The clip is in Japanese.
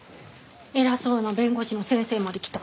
偉そうな弁護士の先生まで来たんです。